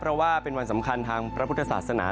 เพราะว่าเป็นวันสำคัญทางพระพุทธศาสนา